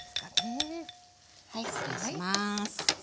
はい失礼します。